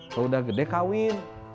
kalau udah gede kawin